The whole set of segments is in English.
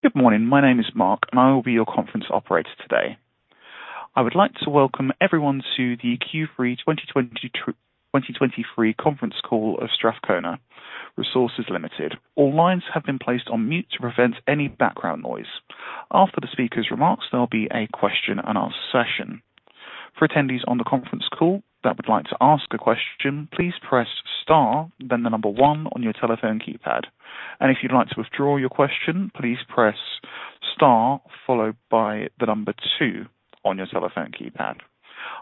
Good morning. My name is Mark, and I will be your conference operator today. I would like to welcome everyone to the Q3 2023 conference call of Strathcona Resources Limited. All lines have been placed on mute to prevent any background noise. After the speaker's remarks, there'll be a question and answer session. For attendees on the conference call that would like to ask a question, please press star, then the number one on your telephone keypad. If you'd like to withdraw your question, please press star, followed by the number two on your telephone keypad.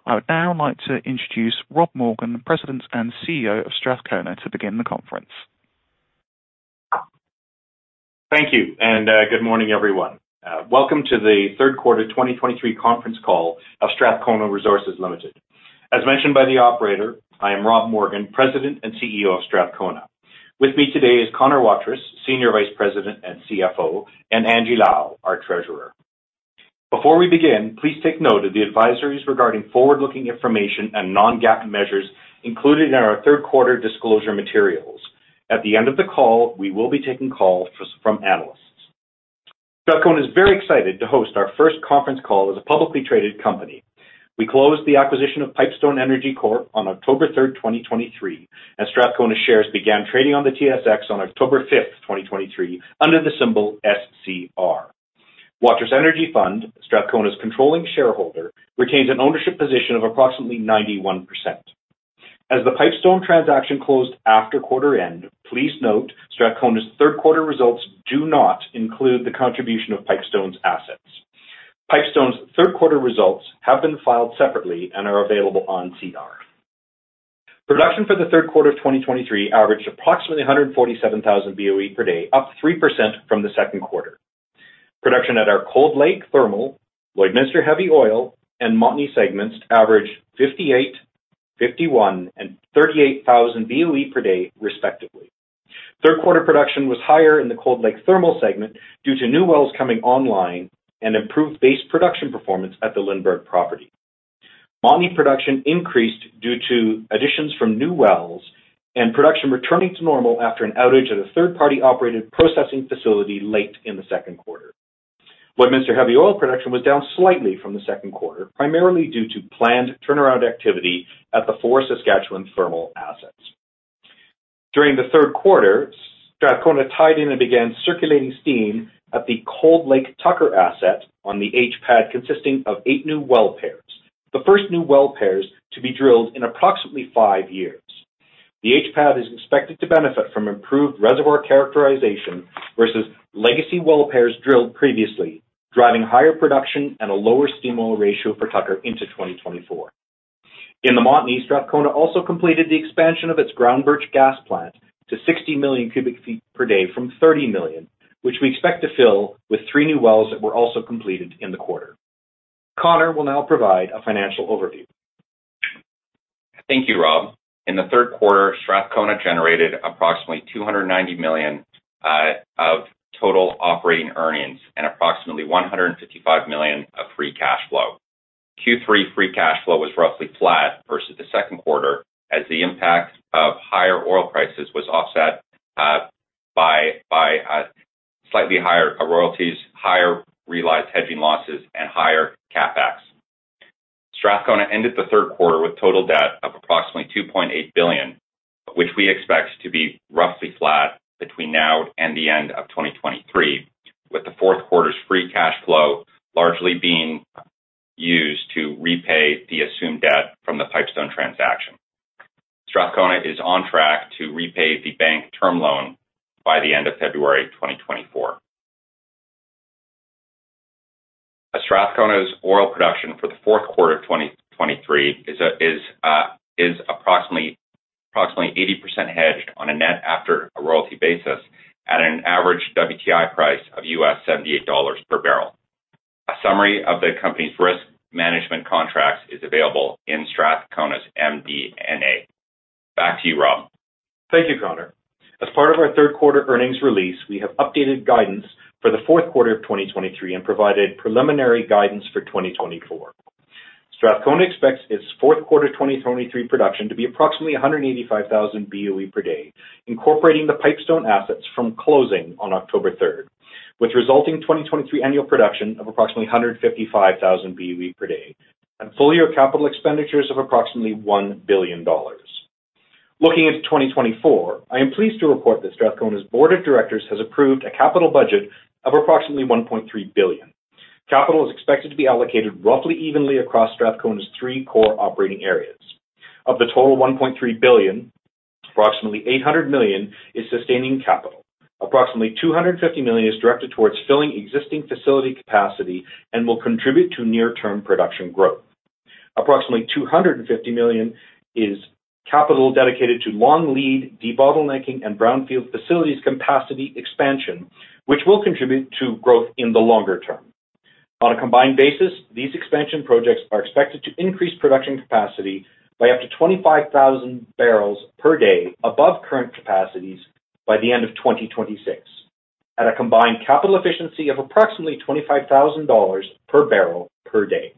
I would now like to introduce Rob Morgan, President and CEO of Strathcona, to begin the conference. Thank you, and good morning, everyone. Welcome to the Q3 2023 conference call of Strathcona Resources Limited. As mentioned by the operator, I am Rob Morgan, President and CEO of Strathcona. With me today is Connor Waterous, Senior Vice President and CFO, and Angie Lau, our Treasurer. Before we begin, please take note of the advisories regarding forward-looking information and non-GAAP measures included in our Q3 disclosure materials. At the end of the call, we will be taking calls from analysts. Strathcona is very excited to host our first conference call as a publicly traded company. We closed the acquisition of Pipestone Energy Corp on October third, twenty twenty-three, and Strathcona shares began trading on the TSX on October fifth, twenty twenty-three, under the symbol SCR. Waterous Energy Fund, Strathcona's controlling shareholder, retains an ownership position of approximately 91%. As the Pipestone transaction closed after quarter end, please note, Strathcona's Q3 results do not include the contribution of Pipestone's assets. Pipestone's Q3 results have been filed separately and are available on SEDAR. Production for the Q3 of 2023 averaged approximately 147,000 Boe per day, up 3% from the Q2. Production at our Cold Lake Thermal, Lloydminster Heavy Oil, and Montney segments averaged 58,000, 51,000, and 38,000 Boe per day, respectively. Q3 production was higher in the Cold Lake Thermal segment due to new wells coming online and improved base production performance at the Lindbergh property. Montney production increased due to additions from new wells and production returning to normal after an outage at a third-party operated processing facility late in the Q2. Lloydminster heavy oil production was down slightly from the Q2, primarily due to planned turnaround activity at the four Saskatchewan thermal assets. During the Q3, Strathcona tied in and began circulating steam at the Cold Lake Tucker asset on the H pad, consisting of eight new well pairs, the first new well pairs to be drilled in approximately five years. The H pad is expected to benefit from improved reservoir characterization versus legacy well pairs drilled previously, driving higher production and a lower steam oil ratio for Tucker into 2024. In the Montney, Strathcona also completed the expansion of its Groundbirch gas plant to 60 million cubic feet per day from 30 million, which we expect to fill with three new wells that were also completed in the quarter. Connor will now provide a financial overview. Thank you, Rob. In the Q3, Strathcona generated approximately 290 million of total operating earnings and approximately 155 million of free cash flow. Q3 free cash flow was roughly flat versus the Q2, as the impact of higher oil prices was offset by slightly higher royalties, higher realized hedging losses, and higher CapEx. Strathcona ended the Q3 with total debt of approximately 2.8 billion, which we expect to be roughly flat between now and the end of 2023, with the Q4 free cash flow largely being used to repay the assumed debt from the Pipestone transaction. Strathcona is on track to repay the bank term loan by the end of February 2024. Strathcona's oil production for the Q4 of 2023 is approximately 80% hedged on a net after a royalty basis at an average WTI price of $78 bbl A summary of the company's risk management contracts is available in Strathcona's MD&A. Back to you, Rob. Thank you, Connor. As part of our Q3 earnings release, we have updated guidance for the Q4 of 2023 and provided preliminary guidance for 2024. Strathcona expects its Q4 2023 production to be approximately 185,000 Boe per day, incorporating the Pipestone assets from closing on October 3, which resulting in 2023 annual production of approximately 155,000 Boe per day and full year capital expenditures of approximately 1 billion dollars. Looking into 2024, I am pleased to report that Strathcona's board of directors has approved a capital budget of approximately 1.3 billion. Capital is expected to be allocated roughly evenly across Strathcona's three core operating areas. Of the total 1.3 billion, approximately 800 million is sustaining capital. Approximately 250 million is directed towards filling existing facility capacity and will contribute to near-term production growth. Approximately 250 million is capital dedicated to long lead, debottlenecking, and brownfield facilities capacity expansion, which will contribute to growth in the longer term. On a combined basis, these expansion projects are expected to increase production capacity by up to 25,000 bbl per day above current capacities by the end of 2026, at a combined capital efficiency of approximately 25,000 dollars bbl per day.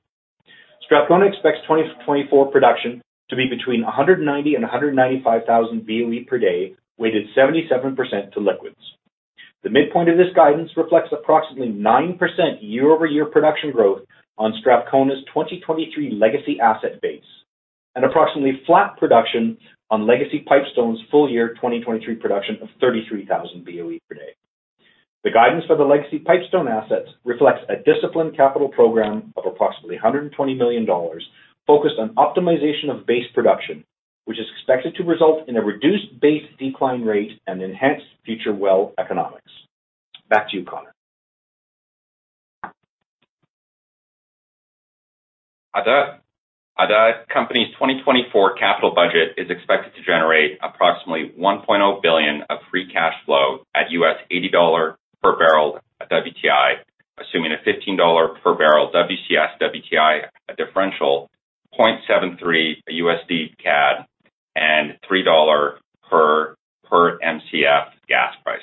Strathcona expects 2024 production to be between 190 and 195 thousand Boe per day, weighted 77% to liquids. The midpoint of this guidance reflects approximately 9% year-over-year production growth on Strathcona's 2023 legacy asset base, and approximately flat production on legacy Pipestone's full year, 2023 production of 33,000 BOE per day. The guidance for the legacy Pipestone assets reflects a disciplined capital program of approximately 120 million dollars, focused on optimization of base production, which is expected to result in a reduced base decline rate and enhanced future well economics. Back to you, Connor. The company's 2024 capital budget is expected to generate approximately 1.0 billion of free cash flow at $80 per bbl at WTI, assuming a $15 per bbl WCS-WTI differential, 0.73 USD/CAD, and $3 per MCF gas price,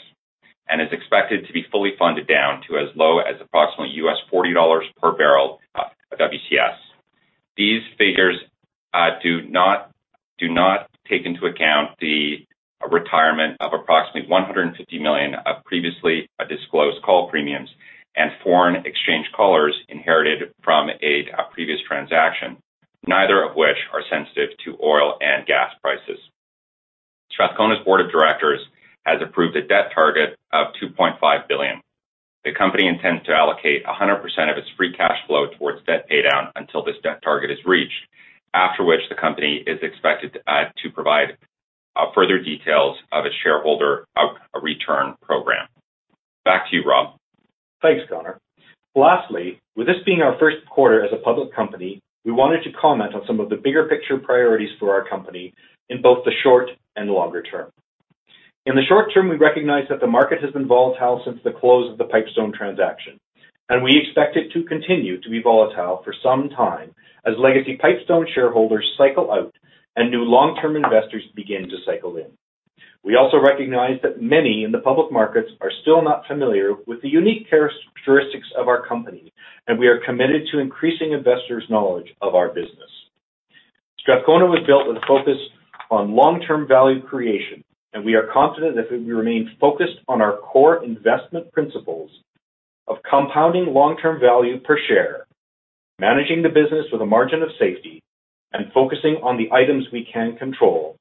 and is expected to be fully funded down to as low as approximately $40 per bbl WCS. These figures do not take into account the retirement of approximately 150 million of previously disclosed call premiums and foreign exchange collars inherited from a previous transaction, neither of which are sensitive to oil and gas prices. Strathcona's board of directors has approved a debt target of 2.5 billion. The company intends to allocate 100% of its free cash flow toward debt paydown until this debt target is reached, after which the company is expected to provide further details of its shareholder return program. Back to you, Rob. Thanks, Connor. Lastly, with this being our Q1 as a public company, we wanted to comment on some of the bigger picture priorities for our company in both the short and longer term. In the short term, we recognize that the market has been volatile since the close of the Pipestone transaction, and we expect it to continue to be volatile for some time as legacy Pipestone shareholders cycle out and new long-term investors begin to cycle in. We also recognize that many in the public markets are still not familiar with the unique characteristics of our company, and we are committed to increasing investors' knowledge of our business. Strathcona was built with a focus on long-term value creation, and we are confident that if we remain focused on our core investment principles of compounding long-term value per share, managing the business with a margin of safety, and focusing on the items we can control,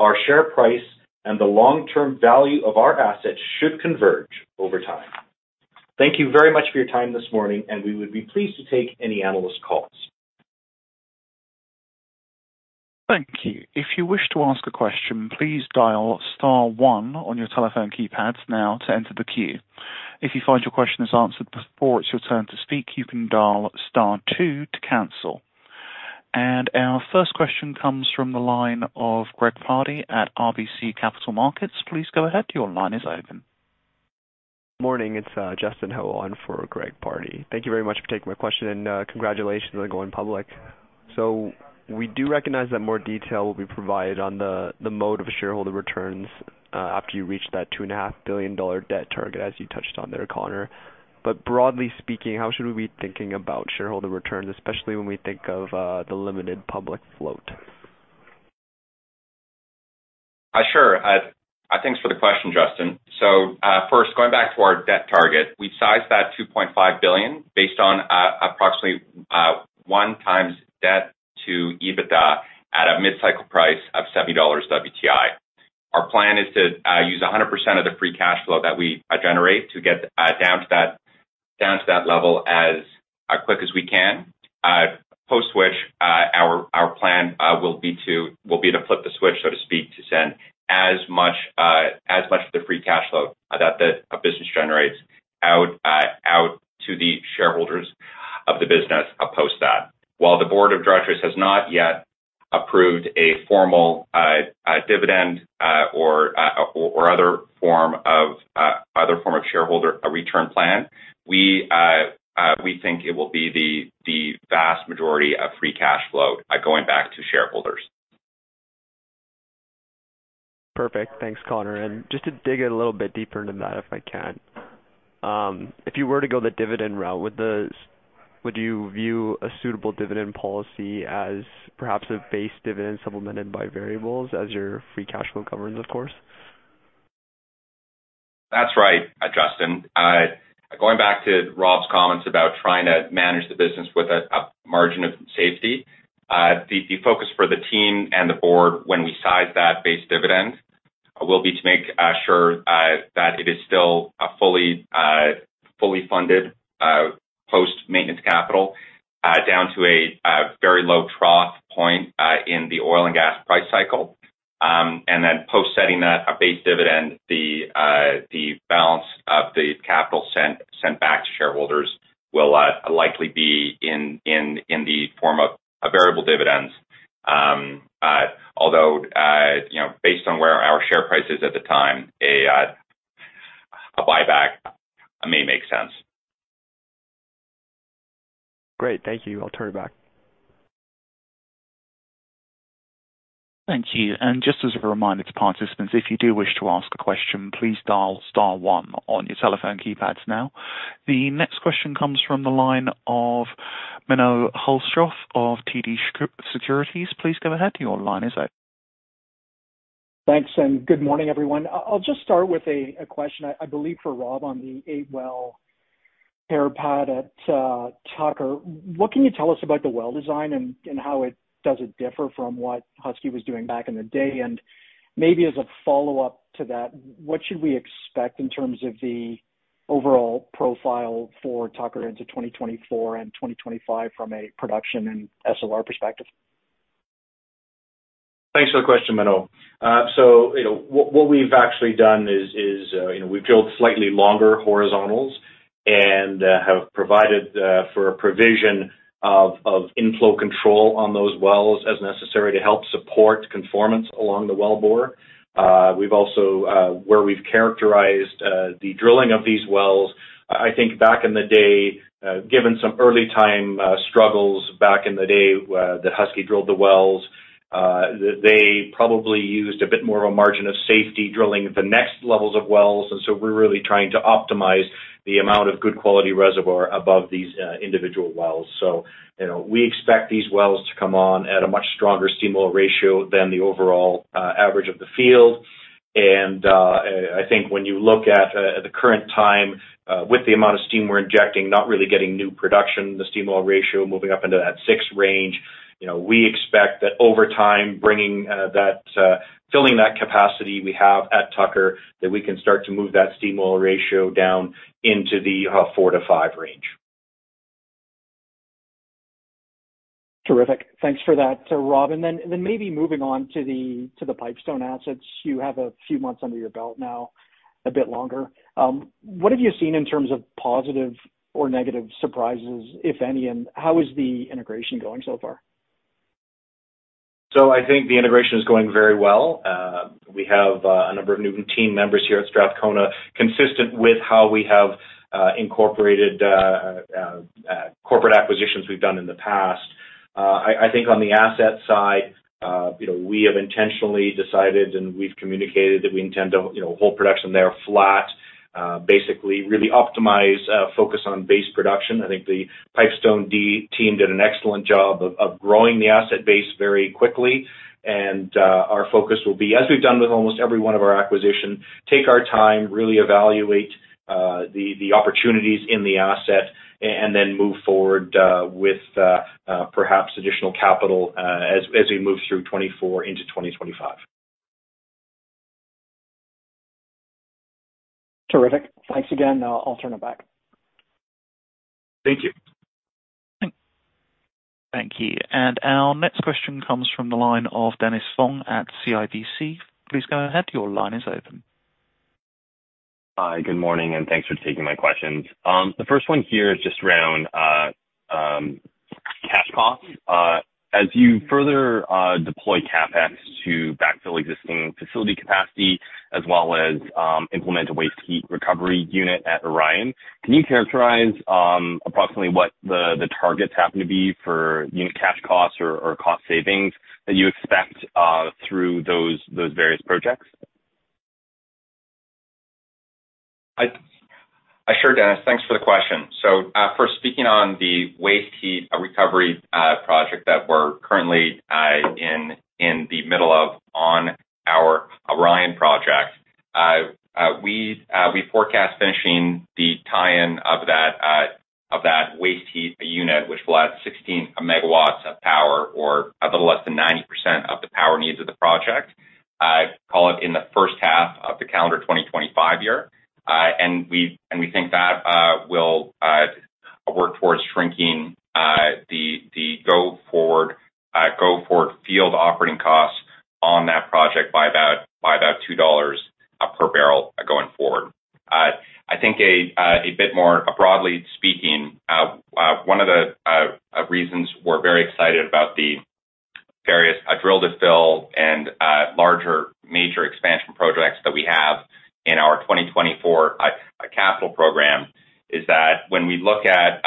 our share price and the long-term value of our assets should converge over time. Thank you very much for your time this morning, and we would be pleased to take any analyst calls. Thank you. If you wish to ask a question, please dial star one on your telephone keypads now to enter the queue. If you find your question is answered before it's your turn to speak, you can dial star two to cancel. Our first question comes from the line of Greg Pardy at RBC Capital Markets. Please go ahead. Your line is open. Morning, it's Justin Ho on for Greg Pardy. Thank you very much for taking my question, and congratulations on going public. So we do recognize that more detail will be provided on the mode of shareholder returns after you reach that 2.5 billion dollar debt target, as you touched on there, Connor. But broadly speaking, how should we be thinking about shareholder returns, especially when we think of the limited public float? Sure. Thanks for the question, Justin. So, first, going back to our debt target, we sized that 2.5 billion based on approximately 1x debt to EBITDA at a mid-cycle price of $70 WTI. Our plan is to use 100% of the free cash flow that we generate to get down to that level as quick as we can. Post which, our plan will be to flip the switch, so to speak, to send as much of the free cash flow that the business generates out to the shareholders of the business, post that. While the board of directors has not yet approved a formal dividend, or other form of shareholder return plan, we think it will be the vast majority of free cash flow going back to shareholders. Perfect. Thanks, Connor. Just to dig a little bit deeper into that, if I can. If you were to go the dividend route, would you view a suitable dividend policy as perhaps a base dividend supplemented by variables as your free cash flow covers the course? That's right, Justin. Going back to Rob's comments about trying to manage the business with a margin of safety, the focus for the team and the board when we size that base dividend will be to make sure that it is still fully funded post-maintenance capital down to a very low trough point in the oil and gas price cycle. And then post-setting that base dividend, the balance of the capital sent back to shareholders will likely be in the form of a variable dividends. Although you know, based on where our share price is at the time, a buyback may make sense. Great. Thank you. I'll turn it back. Thank you. Just as a reminder to participants, if you do wish to ask a question, please dial star one on your telephone keypads now. The next question comes from the line of Menno Hulshof of TD Securities. Please go ahead. Your line is open. Thanks, and good morning, everyone. I'll just start with a question, I believe for Rob on the 8-well pair pad at Tucker. What can you tell us about the well design and how it differs from what Husky was doing back in the day? And maybe as a follow-up to that, what should we expect in terms of the overall profile for Tucker into 2024 and 2025 from a production and SOR perspective? Thanks for the question, Menno. So you know, what we've actually done is, you know, we've drilled slightly longer horizontals and have provided for a provision of inflow control on those wells as necessary to help support conformance along the wellbore. We've also, where we've characterized the drilling of these wells, I think back in the day, given some early time struggles back in the day that Husky drilled the wells, they probably used a bit more of a margin of safety drilling the next levels of wells. So we're really trying to optimize the amount of good quality reservoir above these individual wells. So, you know, we expect these wells to come on at a much stronger steam oil ratio than the overall average of the field. I think when you look at the current time with the amount of steam we're injecting, not really getting new production, the steam-oil ratio moving up into that 6 range, you know, we expect that over time, bringing that filling that capacity we have at Tucker, that we can start to move that steam-oil ratio down into the 4-5 range. Terrific. Thanks for that, Rob. Then maybe moving on to the Pipestone assets. You have a few months under your belt now, a bit longer. What have you seen in terms of positive or negative surprises, if any, and how is the integration going so far? So I think the integration is going very well. We have a number of new team members here at Strathcona, consistent with how we have incorporated corporate acquisitions we've done in the past. I think on the asset side, you know, we have intentionally decided, and we've communicated that we intend to, you know, hold production there flat, basically really optimize, focus on base production. I think the Pipestone team did an excellent job of growing the asset base very quickly, and our focus will be, as we've done with almost every one of our acquisition, take our time, really evaluate the opportunities in the asset, and then move forward with perhaps additional capital, as we move through 2024 into 2025. Terrific. Thanks again. I'll turn it back. Thank you. Thank you. And our next question comes from the line of Dennis Fong at CIBC. Please go ahead. Your line is open. Hi, good morning, and thanks for taking my questions. The first one here is just around cash costs. As you further deploy CapEx to backfill existing facility capacity, as well as implement a waste heat recovery unit at Orion, can you characterize approximately what the targets happen to be for unit cash costs or cost savings that you expect through those various projects? Sure, Dennis. Thanks for the question. So, first speaking on the waste heat recovery project that we're currently in the middle of on our Orion project, we forecast finishing the tie-in of that waste heat unit, which will add 16 megawatts of power or a little less than 90% of the power needs of the project, call it in the first half of the calendar 2025 year. And we think that will work towards shrinking the go-forward go-forward field operating costs on that project by about 2 dollars per bbl going forward. I think a bit more broadly speaking, one of the reasons we're very excited about the various drill to fill and larger major expansion projects that we have in our 2024 capital program, is that when we look at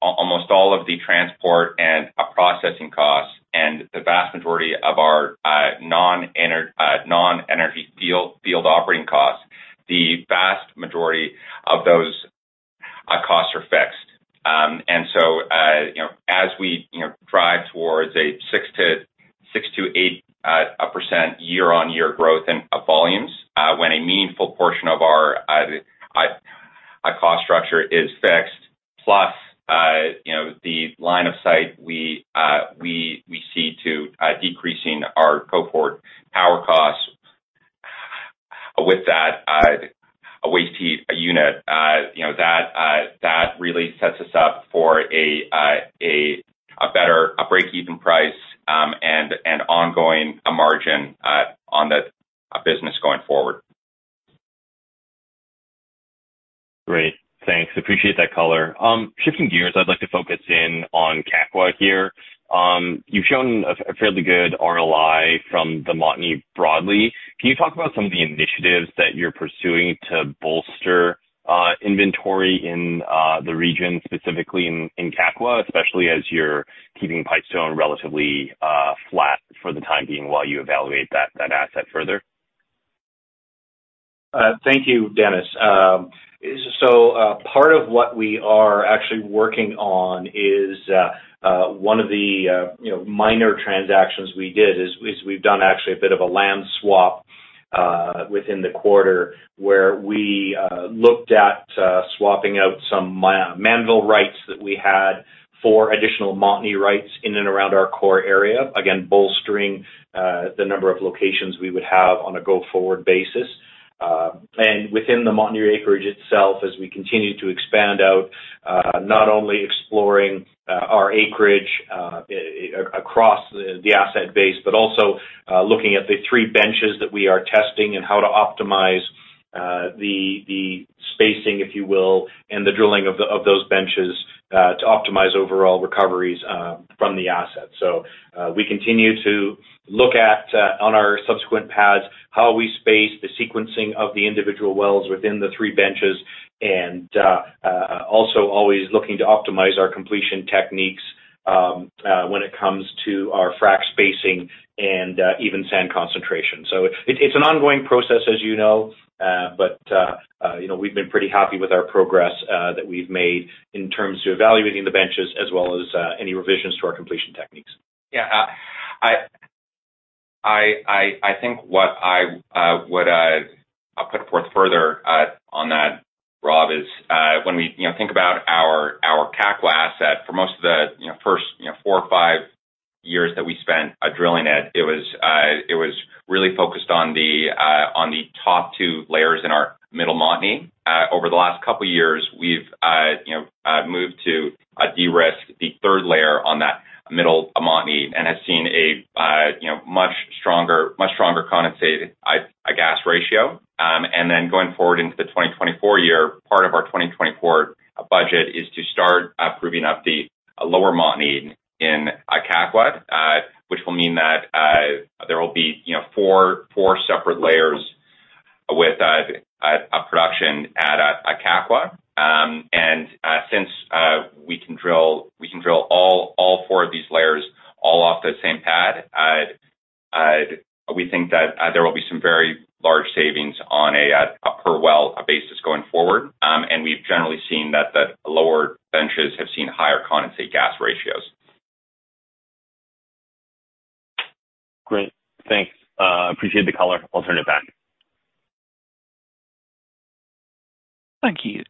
almost all of the transport and processing costs and the vast majority of our non-energy field operating costs, the vast majority of those costs are fixed. So, you know, as we, you know, drive towards a 6%-8% year-on-year growth in volumes, when a meaningful portion of our cost structure is fixed, plus, you know, the line of sight we see to decreasing our cohort power costs with that waste heat unit, you know, that really sets us up for a better breakeven price, and an ongoing margin on the business going forward. Great, thanks. Appreciate that color. Shifting gears, I'd like to focus in on Kakwa here. You've shown a fairly good RLI from the Montney broadly. Can you talk about some of the initiatives that you're pursuing to bolster inventory in the region, specifically in Kakwa, especially as you're keeping Pipestone relatively flat for the time being, while you evaluate that asset further? Thank you, Dennis. So, part of what we are actually working on is one of the, you know, minor transactions we did. We've done actually a bit of a land swap within the quarter, where we looked at swapping out some Mannville rights that we had for additional Montney rights in and around our core area. Again, bolstering the number of locations we would have on a go-forward basis. And within the Montney acreage itself, as we continue to expand out, not only exploring our acreage across the asset base, but also looking at the three benches that we are testing and how to optimize the spacing, if you will, and the drilling of those benches to optimize overall recoveries from the asset. So, we continue to look at, on our subsequent pads, how we space the sequencing of the individual wells within the three benches, and, also always looking to optimize our completion techniques, when it comes to our frack spacing and, even sand concentration. So it's an ongoing process, as you know, but, you know, we've been pretty happy with our progress, that we've made in terms of evaluating the benches, as well as, any revisions to our completion techniques. Yeah, I think what I'll put forth further, on that, Rob, is, when we, you know, think about our, our Kakwa asset, for most of the, you know, first, you know, four or five years that we spent, drilling it, it was, it was really focused on the, on the top two layers in our Middle Montney. Over the last couple of years, we've, you know, moved to, de-risk the third layer on that Middle Montney, and have seen a, you know, much stronger, much stronger condensate, gas ratio. And then going forward into the 2024 year, part of our 2024 budget is to start proving up the lower Montney in Kakwa, which will mean that there will be, you know, four separate layers with a production at Kakwa. And since we can drill all four of these layers all off the same pad, we think that there will be some very large savings on a per well basis going forward. And we've generally seen that the lower benches have seen higher condensate gas ratios. Great, thanks. Appreciate the color. I'll turn it back. Thank you.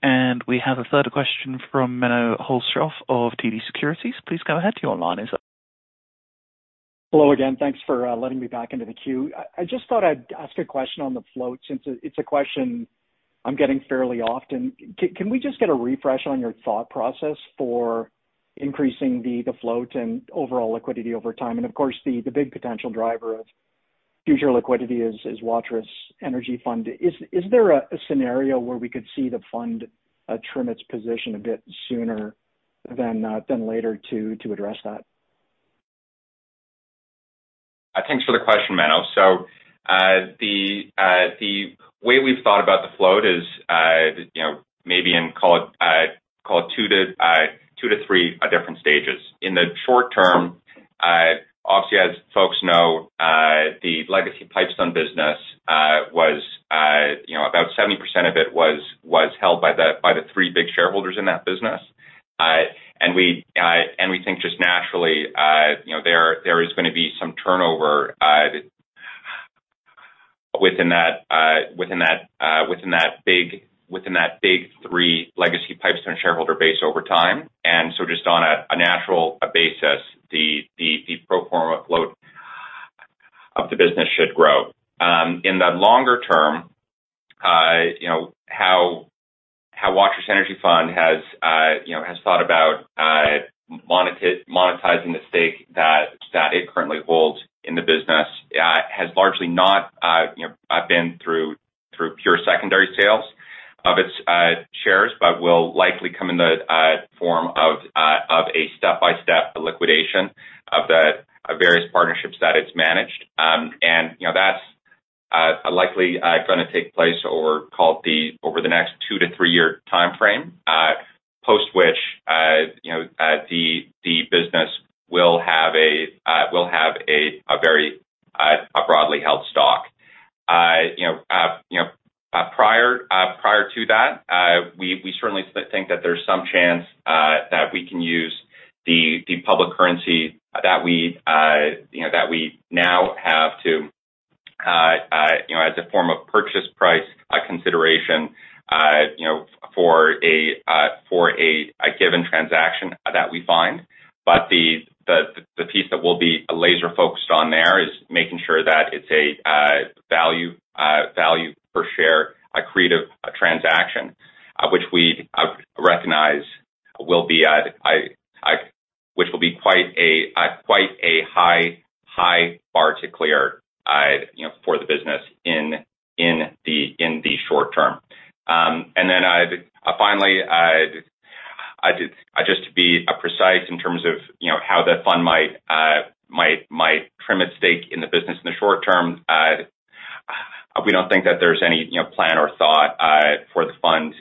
We have a third question from Menno Hulshof of TD Securities. Please go ahead, your line is up. Hello again. Thanks for letting me back into the queue. I just thought I'd ask a question on the float, since it's a question I'm getting fairly often. Can we just get a refresh on your thought process for increasing the float and overall liquidity over time? And, of course, the big potential driver of future liquidity is Waterous Energy Fund. Is there a scenario where we could see the fund trim its position a bit sooner than later to address that? Thanks for the question, Menno. So, the way we've thought about the float is, you know, maybe in call it, call it 2-3 different stages. In the short term, obviously, as folks know, the legacy Pipestone business was, you know, about 70% of it was held by the three big shareholders in that business. And we think just naturally, you know, there is gonna be some turnover within that big three legacy Pipestone shareholder base over time. And so just on a natural basis, the pro forma float of the business should grow. In the longer term, you know, how Waterous Energy Fund has, you know, has thought about monetizing the stake that it currently holds in the business has largely not, you know, been through pure secondary sales of its shares, but will likely come in the form of a step-by-step liquidation of the various partnerships that it's managed. And, you know, that's likely gonna take place or call it the over the next 2-3-year timeframe, post which, you know, the business will have a very broadly held stock. You know, prior to that, we certainly think that there's some chance that we can use the public currency that we now have, you know, as a form of purchase price consideration, you know, for a given transaction that we find. But the piece that we'll be laser-focused on there is making sure that it's a value per share, a creative transaction, which we recognize will be quite a high bar to clear, you know, for the business in the short term. And then, finally, I just to be precise in terms of, you know, how the fund might trim its stake in the business in the short term, we don't think that there's any, you know, plan or thought for the fund,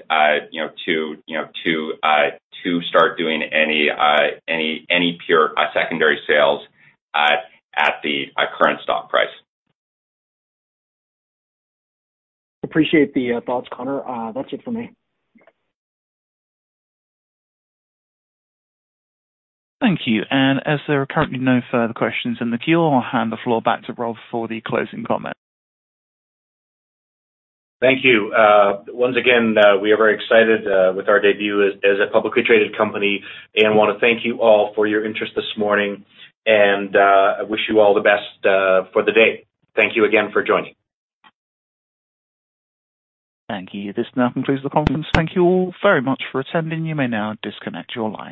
you know, to start doing any pure secondary sales at the current stock price. Appreciate the thoughts, Connor. That's it for me. Thank you. As there are currently no further questions in the queue, I'll hand the floor back to Rob for the closing comment. Thank you. Once again, we are very excited with our debut as a publicly traded company, and want to thank you all for your interest this morning, and I wish you all the best for the day. Thank you again for joining. Thank you. This now concludes the conference. Thank you all very much for attending. You may now disconnect your lines.